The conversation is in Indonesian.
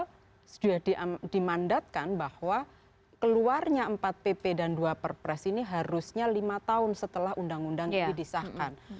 kalau sudah dimandatkan bahwa keluarnya empat pp dan dua perpres ini harusnya lima tahun setelah undang undang ini disahkan